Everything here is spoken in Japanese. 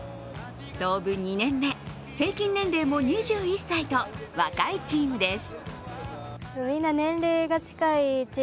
創部２年目、平均年齢も２１歳と若いチームです。